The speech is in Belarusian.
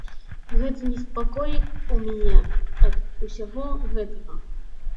Гэта неспакой у мяне ад усяго гэтага.